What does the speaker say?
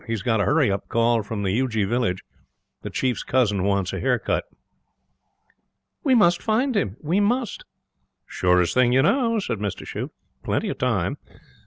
'He's got a hurry call from the Uji Village. The chief's cousin wants a hair cut.' 'We must find him. We must.' 'Surest thing you know,' said Mr Shute. 'Plenty of time.'